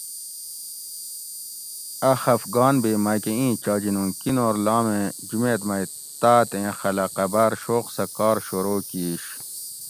اۤ خفگان بھی مکہۤ اِین چاجِن اُوں کِینور لام ایں جُمیت مئ تات ایں خلق اۤ باۤر شوق سہۤ کار شروع کِیش